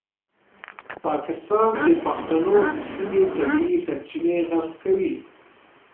پاکستان د پښتنو د سیمې طبیعي سرچینې غصب کوي.